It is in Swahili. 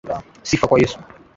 Sifa kwa Yesu.